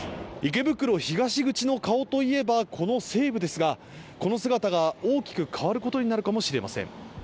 池袋東口の顔といえばこの西武ですが、この姿が大きく変わることになるかもしれません。